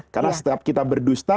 karena setiap kita berdusta